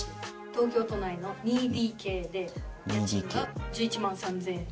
東京都内の２ＤＫで家賃が１１万３０００円。